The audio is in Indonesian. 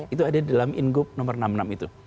itu ada di dalam ingup nomor enam puluh enam itu